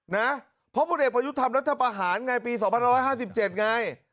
นะเพราะผลเอกประยุทธ์ทำรัฐประหารไงปี๒๑๕๗ไง